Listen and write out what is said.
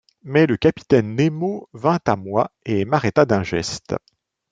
Mais le capitaine Nemo vint à moi et m’arrêta d’un geste.